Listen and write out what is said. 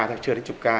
thật chưa đến chục ca